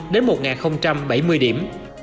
đến một nghìn bảy mươi điểm